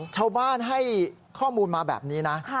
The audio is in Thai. ชาวบ้านให้ข้อมูลมาแบบนี้นะ